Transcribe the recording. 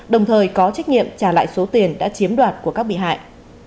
đồng thời có trách nhiệm trả lại số tiền đã chiếm đoạt của các bị hại